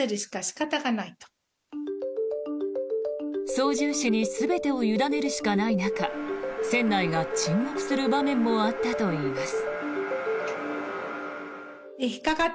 操縦士に全てを委ねるしかない中船内が沈黙する場面もあったといいます。